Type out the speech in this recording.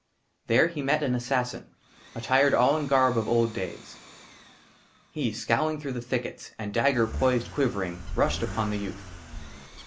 THERE HE MET AN ASSASSIN ATTIRED ALL IN GARB OF OLD DAYS ; HE, SCOWLING THROUGH THE THICKETS, AND DAGGER POISED QUIVERING, RUSHED UPON THE YOUTH.